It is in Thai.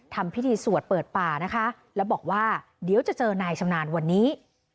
ทำพิธีสวดเปิดป่านะคะแล้วบอกว่าเดี๋ยวจะเจอนายชำนาญวันนี้